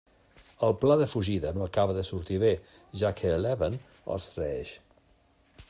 El pla de fugida no acaba de sortir bé, ja que l'Eben els traeix.